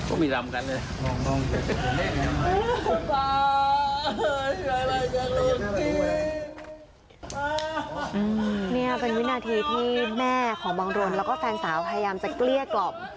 นี่เป็นวินาทีที่แม่ของบังรนแล้วก็แฟนสาวพยายามจะเกลี้ยกล่อม